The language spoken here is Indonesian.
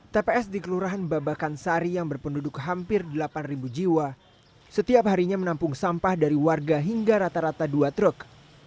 tps di kelurahan babakan sari yang berpenduduk hampir delapan jiwa setiap harinya menampung sampah dari warga hingga rata rata dua truk